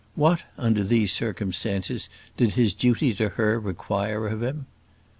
What, under these circumstances, did his duty to her require of him?